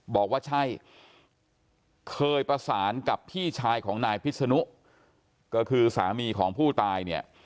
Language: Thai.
บอกว่าใช่เคยประสานกับพี่ชายของนายพิษนุก็คือสามีของผู้ตายเนี่ย